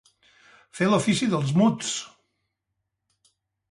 Fer l'ofici dels muts.